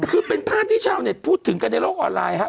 คือเป็นภาพที่ชาวเน็ตพูดถึงกันในโลกออนไลน์ครับ